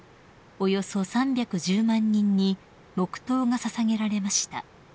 およそ３１０万人に黙とうが捧げられました］